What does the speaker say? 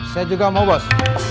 saya juga mau bos